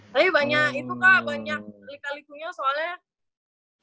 tapi banyak itu kak banyak pelik pelikunya soalnya